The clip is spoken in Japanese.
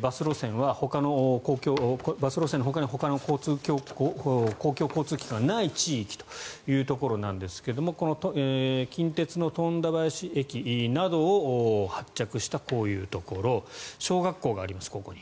バス路線のほかに公共交通機関がない地域ということですがこの近鉄の富田林駅などを発着した、こういうところ小学校がここにあります。